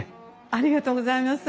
ありがとうございます。